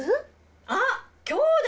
あっ今日だ！